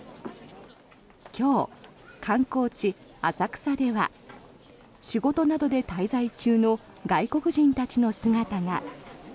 今日、観光地・浅草では仕事などで滞在中の外国人たちの姿が。